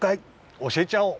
おしえちゃおう！